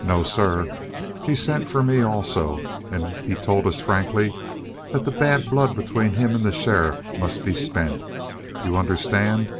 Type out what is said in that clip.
No, sir, he sent for me also, and he told us frankly that the bad blood between him and the sheriff must be spent. You understand?